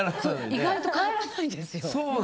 意外と帰らないんですよ。